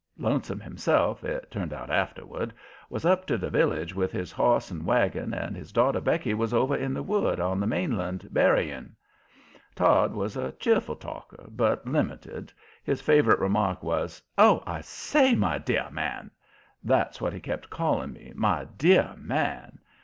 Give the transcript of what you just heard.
Lonesome himself, it turned out afterward, was up to the village with his horse and wagon, and his daughter Becky was over in the wood on the mainland berrying. Todd was a cheerful talker, but limited. His favorite remark was: "Oh, I say, my deah man." That's what he kept calling me, "my deah man."